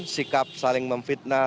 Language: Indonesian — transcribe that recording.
sikap saling memfitnah